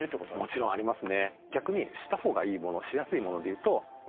もちろんありますね。